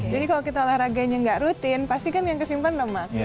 jadi kalau kita olahraganya gak rutin pasti kan yang kesimpan lemak